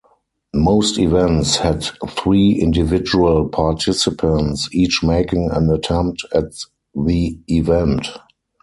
Most events had three individual participants each making an attempt at the event.